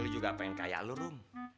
rung lo juga pengen kayak lo rung